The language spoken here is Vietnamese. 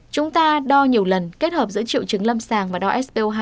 chúng ta đo nhiều lần kết hợp giữa triệu chứng lâm sàng và đo spo hai